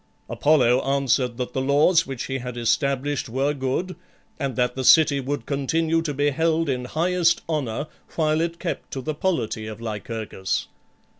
Apollo answered that the laws which he had established were good, and that the city would continue to be held in highest honour while it kept to the polity of Lycurgus.